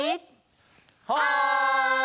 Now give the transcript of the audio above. はい！